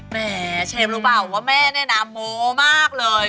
แหมเชฟรู้เปล่าว่าแม่เนี่ยนะโม้มากเลย